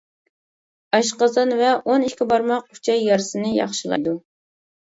ئاشقازان ۋە ئون ئىككى بارماق ئۈچەي يارىسىنى ياخشىلايدۇ.